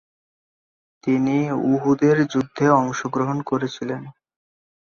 তিনি উহুদের যুদ্ধে অংশগ্রহণ করেছিলেন।